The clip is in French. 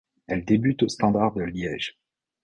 Elle débute au Standard de Liège.